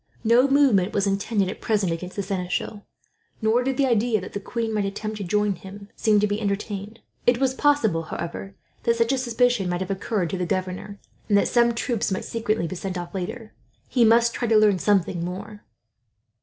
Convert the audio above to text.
No movement was intended at present against the seneschal, nor did the idea that the queen might attempt to join him seem to be entertained. It was possible, however, that such a suspicion might have occurred to the governor, and that some troops might secretly be sent off, later. He must try to learn something more.